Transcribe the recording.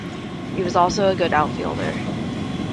He was also a good outfielder.